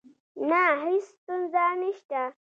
نه، هیڅ ستونزه نشته